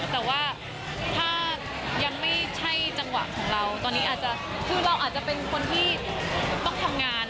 แต่ว่าถ้ายังไม่ใช่จังหวะของเราตอนนี้อาจจะคือเราอาจจะเป็นคนที่ต้องทำงาน